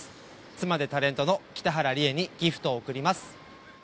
妻でタレントの北原里英にギフトを贈ります。